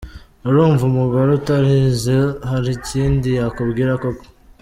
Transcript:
Urumva umugore utarize harikindi yakubwira koko ?.